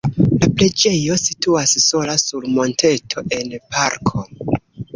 La preĝejo situas sola sur monteto en parko.